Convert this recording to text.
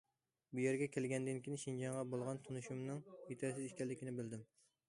بۇ يەرگە كەلگەندىن كېيىن شىنجاڭغا بولغان تونۇشۇمنىڭ يېتەرسىز ئىكەنلىكىنى بىلدىم.